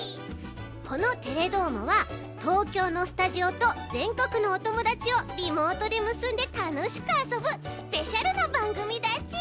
この「テレどーも！」は東京のスタジオとぜんこくのおともだちをリモートでむすんでたのしくあそぶスペシャルなばんぐみだち！